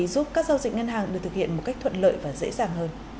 dịch ngân hàng được thực hiện một cách thuận lợi và dễ dàng hơn